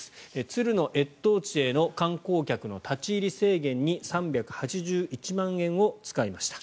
鶴の越冬地への観光客の立ち入り制限に３８１万円を使いました。